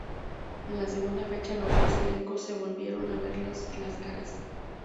En la segunda fecha, los dos elencos se volvieron a ver las caras.